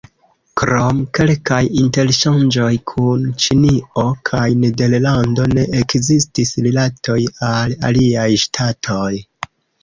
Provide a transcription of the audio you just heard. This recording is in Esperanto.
Krom kelkaj interŝanĝoj kun Ĉinio kaj Nederlando ne ekzistis rilatoj al aliaj ŝtatoj.